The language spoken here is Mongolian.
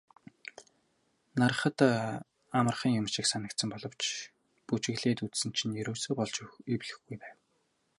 Hарахад амархан юм шиг санагдсан боловч бүжиглээд үзсэн чинь ерөөсөө болж өгөхгүй эвлэхгүй байсан.